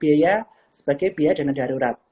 biaya sebagai biaya dana darurat